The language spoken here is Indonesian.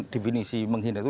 definisi menghina itu